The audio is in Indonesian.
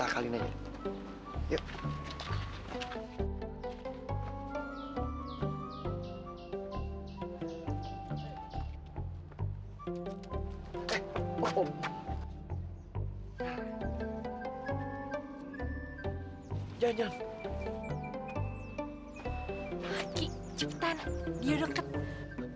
kayaknya dia masih ngikutin kita deh